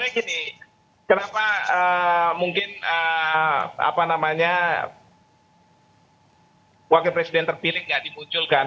sebenarnya gini kenapa mungkin wakil presiden terpilih tidak dimunculkan